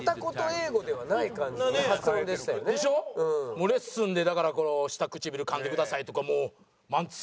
もうレッスンでだからこう下唇かんでくださいとかもうマンツーマンで。